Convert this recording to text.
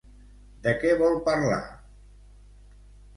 De què vol parlar?